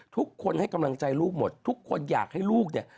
ทุกคนให้กำลังใจลูกหมดทุกคนอยากให้ลูกเนี่ย